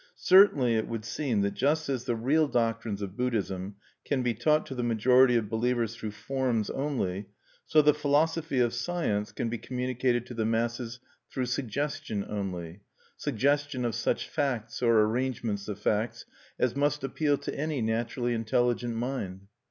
Certainly it would seem that just as the real doctrines of Buddhism can be taught to the majority of believers through forms only, so the philosophy of science can be communicated to the masses through suggestion only, suggestion of such facts, or arrangements of fact, as must appeal to any naturally intelligent mind.